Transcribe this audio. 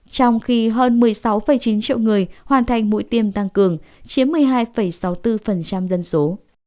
trong khi hơn một mươi sáu chín triệu người hoàn thành mũi tiêm tăng cường chiếm một mươi hai sáu mươi bốn dân số